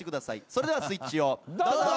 それではスイッチをどうぞ。